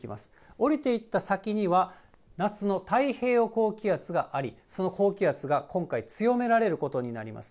下りていった先には、夏の太平洋高気圧があり、その高気圧が今回、強められることになります。